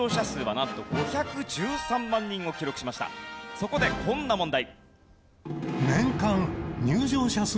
そこでこんな問題。